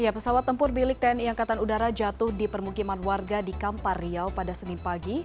pesawat tempur milik tni angkatan udara jatuh di permukiman warga di kampar riau pada senin pagi